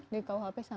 di kuhp salah